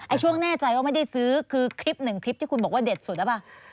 ช่วงแน่ใจว่าไม่ได้ซื้อคือคลิปหนึ่งคลิปที่คุณบอกว่าเด็ดสุดหรือเปล่า